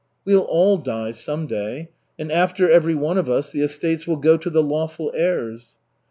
'" "We'll all die, some day and after every one of us, the estates will go to the lawful heirs."